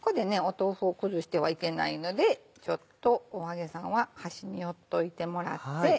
豆腐を崩してはいけないのでちょっとお揚げさんは端に寄っといてもらって。